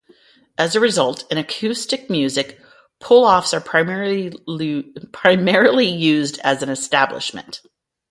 As a result, in acoustic music, pull-offs are primarily used as an embellishment.